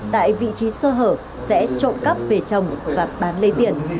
tại vị trí sơ hở sẽ trộm cắp về chồng và bán lấy tiền